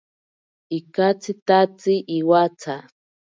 Ikatsitatsi iwatsa.